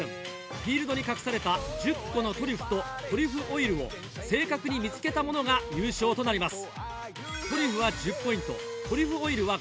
フィールドに隠された１０個のトリュフとトリュフオイルを正確に見つけた者が優勝となります。